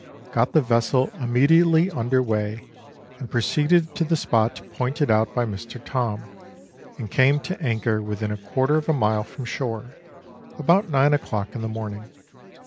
Got the vessel immediately under weigh, and proceeded to the spot pointed out by Mr. Thorn, and came to anchor within a quarter of a mile from shore, about nine o'clock in the morn ing.